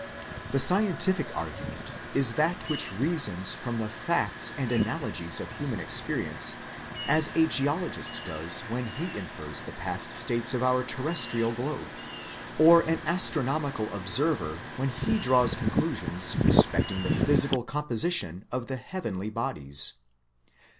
The scientific argument is that which reasons from the facts and analogies of human experience as a geologist does when he infers the past states of our terrestrial globe, or an astronomical observer when he draws conclusions respecting the physical composition of the heavenly bodies.